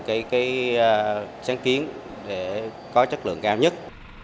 cái sáng kiến để có chất lượng cao nhất